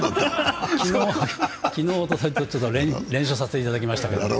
昨日、おとといと連勝させていただきましたけど。